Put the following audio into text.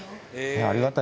ありがたい。